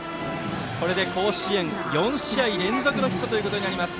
これで甲子園４試合連続のヒットということになります。